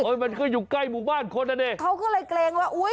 มันก็อยู่ใกล้หมู่บ้านคนอ่ะดิเขาก็เลยเกรงว่าอุ้ย